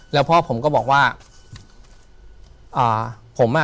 ถูกต้องไหมครับถูกต้องไหมครับ